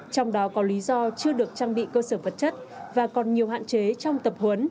trong đó có lý do chưa được trang bị cơ sở vật chất và còn nhiều hạn chế trong tập huấn